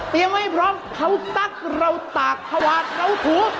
เตรียมให้พร้อมเขาตักเราตากเขาหวาดเราถู